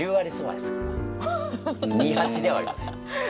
二八ではありません。